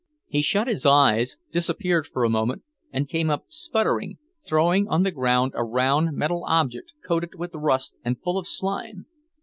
He shut his eyes, disappeared for a moment, and came up sputtering, throwing on the ground a round metal object, coated with rust and full of slime.